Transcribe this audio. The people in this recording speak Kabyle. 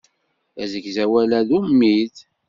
Asegzawal-a d ummid.